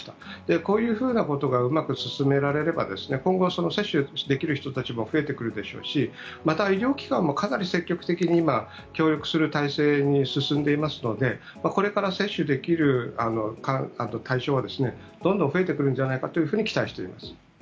こういうふうなことがうまく進められれば今後、接種できる人たちも増えてくるでしょうしまた、医療機関もかなり積極的に今、協力する体制に進んでいますのでこれから接種できる対象はどんどん増えてくるんじゃないかと期待しています。